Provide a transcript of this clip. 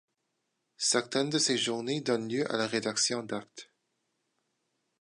Certaines de ces Journées donnent lieu à la rédaction d'actes.